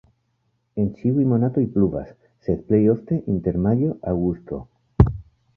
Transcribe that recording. En ĉiuj monatoj pluvas, sed plej ofte inter majo-aŭgusto.